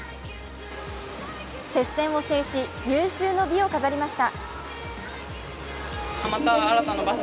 接戦を制し有終の美を飾りました。